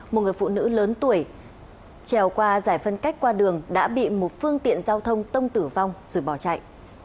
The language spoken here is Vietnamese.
một người phụ nữ lớn tuổi trèo qua giải phân cách qua đường đã bị một phương tiện giao thông tông tử vong rồi bỏ chạy